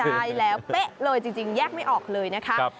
ได้แล้วเป๊ะเลยจริงแยกไม่ออกเลยนะคะ